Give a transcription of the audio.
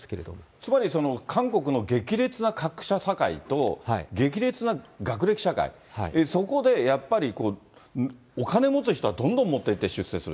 つまり韓国の激烈な格差社会と、激烈な学歴社会、そこでやっぱりお金持つ人はどんどん持っていって出世する。